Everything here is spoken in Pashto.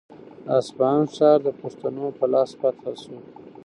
د اصفهان ښار د پښتنو په لاس فتح شو.